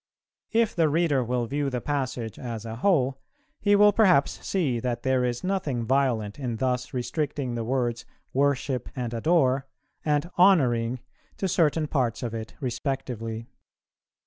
If the reader will view the passage as a whole, he will perhaps see that there is nothing violent in thus restricting the words worship and adore, and honouring, to certain parts of it respectively.